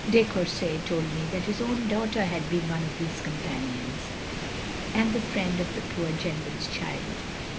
De Courset told me that his own daughter had been one of these companions, and the friend of the poor General's child."